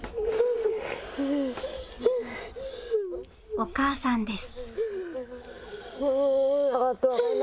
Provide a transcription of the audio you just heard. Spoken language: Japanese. お母さんです。